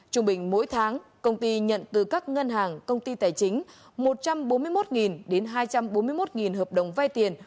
trung bình mỗi tháng công ty nhận từ các ngân hàng công ty tài chính một trăm bốn mươi một đến hai trăm bốn mươi một hợp đồng vay tiền